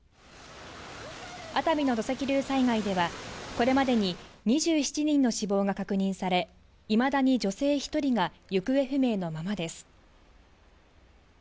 熱海の土石流災害では、これまでに２７人の死亡が確認され、いまだに女性１人が行方不明のままです。